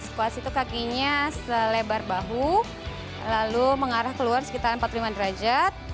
squast itu kakinya selebar bahu lalu mengarah keluar sekitar empat puluh lima derajat